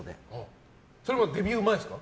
それはデビュー前ですか？